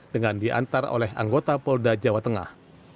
dengan diantar oleh anggota polda jawa tengah